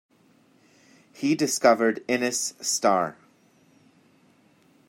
He discovered Innes star.